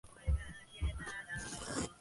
私はひるまなかった。